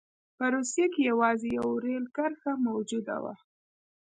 په روسیه کې یوازې یوه رېل کرښه موجوده وه.